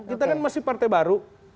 kita kan masih partai baru